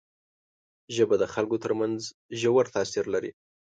ژبه د خلکو تر منځ ژور تاثیر لري